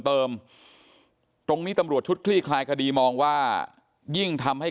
เติมตรงนี้ตำรวจชุดคลี่คลายคดีมองว่ายิ่งทำให้